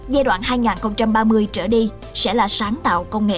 giai đoạn hai nghìn ba mươi trở đi sẽ là sáng tạo công nghệ